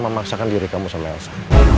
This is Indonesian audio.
memaksakan diri kamu sama elsa